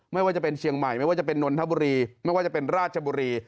ไม่ว่าจะเป็นเชียงใหม่ไม่ว่าจะเป็นนนทบุรีไม่ว่าจะเป็นราชบุรี